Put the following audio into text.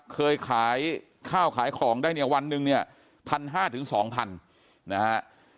เคยขายข้าวขายของได้เนี่ยวันหนึ่งเนี่ย๑๕๐๐๒๐๐นะฮะ